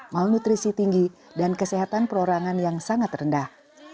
malnutrisi tinggi dan kesehatan perorangan yang sangat rendah